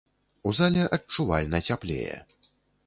У зале адчувальна цяплее.